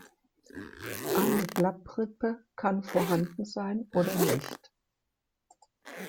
Eine Blattrippe kann vorhanden sein oder nicht.